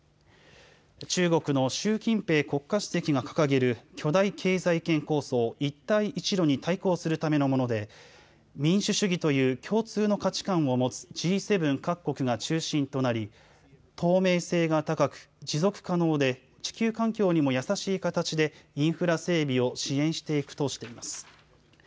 中国の習近平国家主席が掲げる巨大経済圏構想一帯一路に対抗するためのもので民主主義という共通の価値観を持つＧ７各国が中心となり透明性が高く持続可能で地球環境にも優しい形でインフラ整備を支援していくとしています。